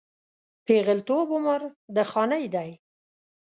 پېغلتوب عمر د خانۍ دی